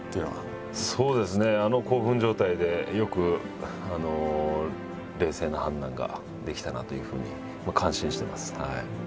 そうですねあの興奮状態でよく冷静な判断ができたなというふうに感心してますはい。